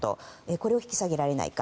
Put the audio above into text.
これを引き下げられないか。